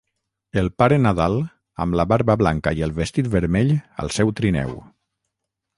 El Pare Nadal, amb la barba blanca i el vestit vermell al seu trineu.